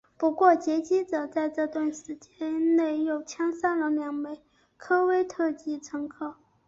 不过劫机者在这段时间内又枪杀了两名科威特籍乘客。